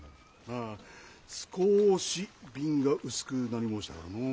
あ少し鬢が薄くなり申したからのう。